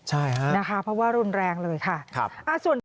ใช่ครับเพราะว่ารุนแรงเลยค่ะส่วน